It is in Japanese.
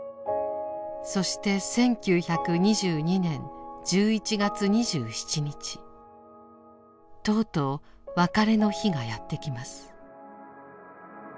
そして１９２２年１１月２７日とうとう別れの日がやってきます。